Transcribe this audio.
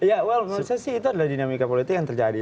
ya well menurut saya sih itu adalah dinamika politik yang terjadi